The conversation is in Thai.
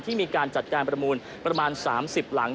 มีการจัดการประมูลประมาณ๓๐หลัง